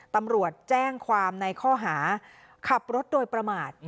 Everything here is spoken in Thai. ตำรวจแจ้งความในข้อหาขับรถโดยประมาท